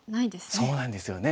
そうなんですよね。